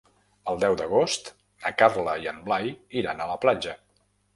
El deu d'agost na Carla i en Blai iran a la platja.